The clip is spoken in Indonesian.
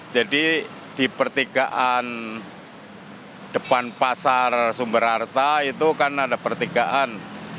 jadi di pertigaan depan pasar sumber harta itu kan ada pertigaan